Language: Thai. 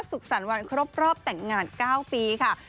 สุขสรรค์วันครบรอบแต่งงาน๙ปีค่ะ